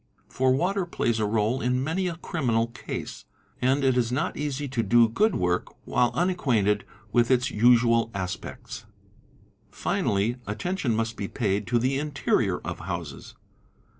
For water plays a role in many a criminal case, and it is not easy to do good work while 2 U nacquainted with its usual aspects. Finally, attention must be paid to the interior of houses.